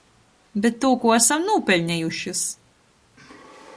Bet tū, kū asam nūpeļniejušys!